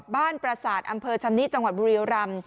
บ้านปราศาสตร์อำเภอชำนิดจังหวัดบุรีโยรัม